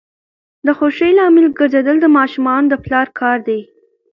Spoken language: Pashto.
د خوښۍ لامل ګرځیدل د ماشومانو د پلار کار دی.